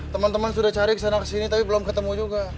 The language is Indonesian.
teman teman sudah cari kesana kesini tapi belum ketemu juga